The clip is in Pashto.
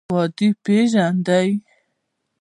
ودې پېژانده.